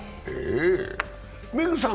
メグさん